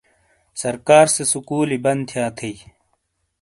سرکارسے سکولی بند تھیا تھیئی